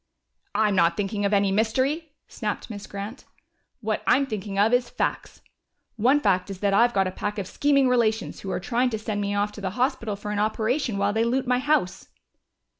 "I'm not thinking of any mystery," snapped Miss Grant. "What I'm thinking of is facts. One fact is that I've got a pack of scheming relations who are trying to send me off to the hospital for an operation while they loot my house."